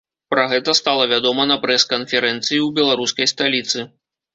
Пра гэта стала вядома на прэс-канферэнцыі ў беларускай сталіцы.